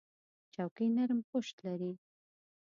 چوکۍ نرم پُشت لري.